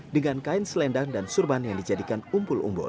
dengan kain selendang dan surban yang dijadikan umpul umbul